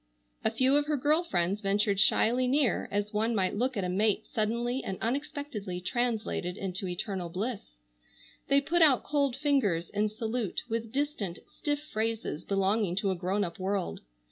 A few of her girl friends ventured shyly near, as one might look at a mate suddenly and unexpectedly translated into eternal bliss. They put out cold fingers in salute with distant, stiff phrases belonging to a grown up world.